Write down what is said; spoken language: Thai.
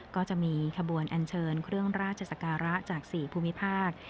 ก็จะมีขบวนอันเชิญเครื่องราชสการะจาก๔ภูมิภาค